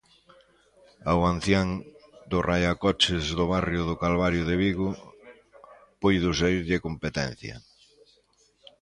Ao ancián do raiacoches do barrio do Calvario de Vigo puido saírlle competencia.